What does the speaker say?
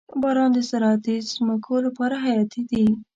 • باران د زراعتي ځمکو لپاره حیاتي دی.